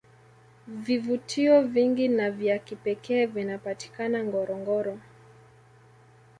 vvivutio vingi na vya kipekee vinapatikana ngorongoro